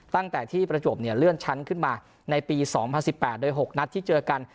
ตั้งแต่ที่ประจวบเลื่อนชั้นขึ้นมาในปี๒๐๑๘โดย๖นัดที่เจอกัน